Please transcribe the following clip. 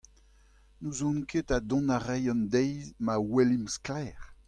N'ouzon ket ha dont a ray an deiz ma welimp sklaer.